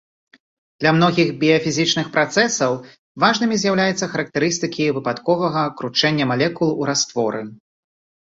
Для многіх біяфізічных працэсаў важнымі з'яўляюцца характарыстыкі выпадковага кручэння малекул у растворы.